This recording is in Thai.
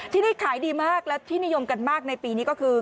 ที่นี่ขายดีมากและที่นิยมกันมากในปีนี้ก็คือ